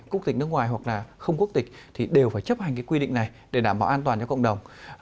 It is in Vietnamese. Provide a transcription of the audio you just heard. quốc tịch nước ngoài hoặc là không quốc tịch thì đều phải chấp hành cái quy định này để đảm bảo an toàn cho cộng đồng